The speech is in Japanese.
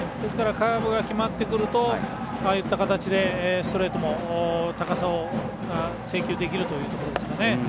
カーブが決まってくるとああいった形でストレートも高さを制球できるというところですかね。